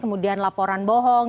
kemudian laporan bohong